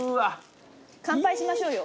乾杯しましょうよ。